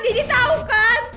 daddy tau kan